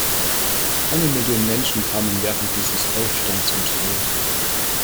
Eine Million Menschen kamen während dieses Aufstands ums Leben.